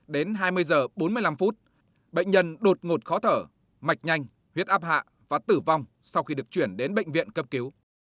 đến hai mươi h bốn mươi năm bệnh nhân đột ngột khó thở mạch nhanh huyết áp hạ và tử vong sau khi được chuyển đến bệnh viện cấp cứu